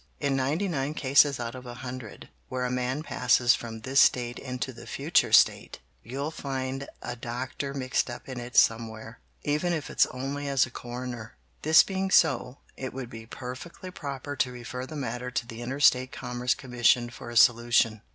In ninety nine cases out of a hundred, where a man passes from this state into the future state, you'll find a doctor mixed up in it somewhere, even if it's only as a coroner. This being so, it would be perfectly proper to refer the matter to the Interstate Commerce Commission for a solution.